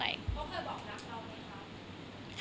เขาเคยบอกรักเราไงครับ